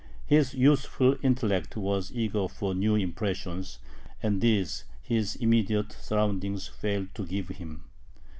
His youthful intellect was eager for new impressions, and these his immediate surroundings failed to give him.